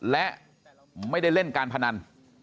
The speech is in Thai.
และไม่ได้เล่นการพนัน